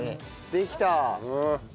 できた。